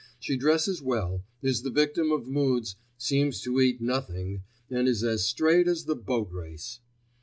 She dresses well, is the victim of moods, seems to eat nothing, and is as straight as the Boat Race.